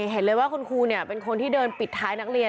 เห็นเลยว่าคุณครูเป็นคนที่เดินปิดท้ายนักเรียน